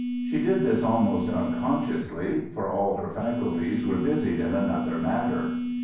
She did this almost unconsciously, for all her faculties were busied in another matter.